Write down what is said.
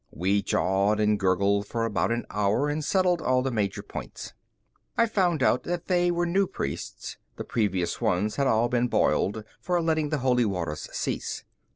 We jawed and gurgled for about an hour and settled all the major points. I found out that they were new priests; the previous ones had all been boiled for letting the Holy Waters cease.